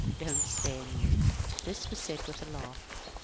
Don't spare me I " This was said with a laugh.